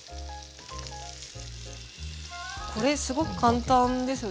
これすごく簡単ですね。